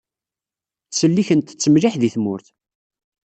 Ttsellikent-tt mliḥ di tmurt.